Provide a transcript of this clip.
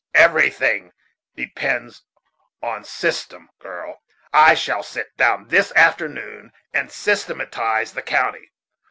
"Everything depends on system, girl. I shall sit down this afternoon and systematize the county.